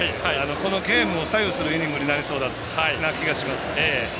このゲームを左右するイニングになりそうな気がします。